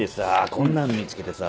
こんなん見つけてさ。